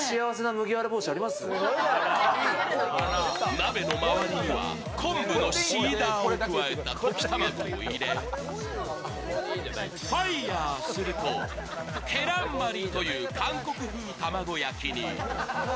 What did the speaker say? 鍋のまわりには昆布のシーダーを加えた溶き卵を入れ、ファイヤーすると、ケランマリという韓国風卵焼きに。